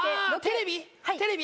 あテレビ？